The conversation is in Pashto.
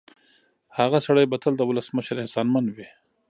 هغه سړی به تل د ولسمشر احسانمن وي.